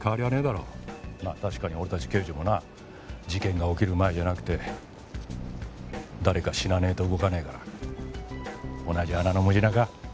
まあ確かに俺たち刑事もな事件が起きる前じゃなくて誰か死なねえと動かねえから同じ穴の狢か。